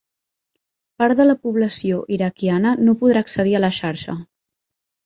Part de la població iraquiana no podrà accedir a la xarxa